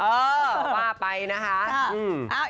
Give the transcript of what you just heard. เออว่าไปนะคะ